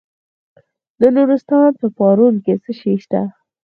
د نورستان په پارون کې څه شی شته؟